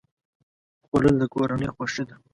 خوړل د کورنۍ خوښي ده